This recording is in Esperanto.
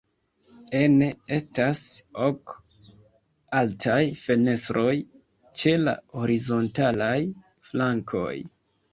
Ene estas ok altaj fenestroj ĉe la horizontalaj flankoj.